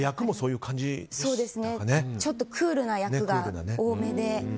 ちょっとクールな役が多めで。